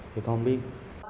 thì con không biết